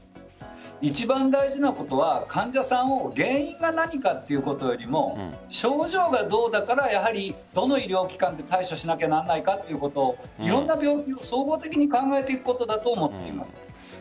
一番大事なのは、患者さんを原因が何かということよりも症状がどうだからやはり、どの医療機関で対処しなければならないかということをいろんな病院で総合的に考えていくことだと思っています。